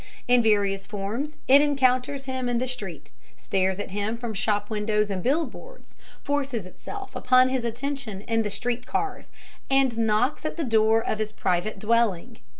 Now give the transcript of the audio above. In various forms it encounters him in the street, stares at him from shop windows and billboards, forces itself upon his attention in the street cars, and knocks at the door of his private dwelling.